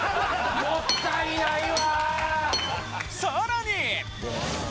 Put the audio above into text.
さらに！